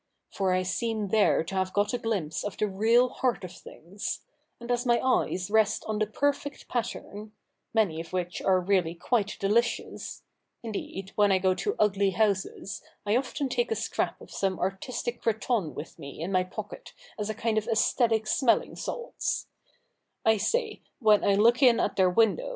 For I seem there to have got a glimpse of the real heart of things ; and as my eyes rest on the perfect pattern (many of which are really quite delicious ; indeed, when I go to ugly houses, I often take a scrap of some artistic cretonne with me in my pocket as a kind of aesthetic smelling salts), I say, when I look in at their window.